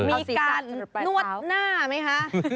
มีการนวดหน้าไหมคะ